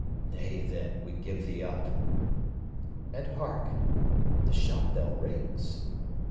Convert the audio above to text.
Nay, then, we give thee up! And hark! the shop bell rings.